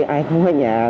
ai cũng có nhà